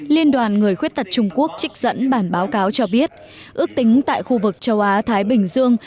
liên đoàn người khuyết tật trung quốc trích dẫn bản báo cáo cho biết ước tính tại khu vực châu á thái bình dương